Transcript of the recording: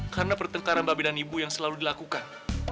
karena pertengkaran babe dan ibu yang selalu dilakukan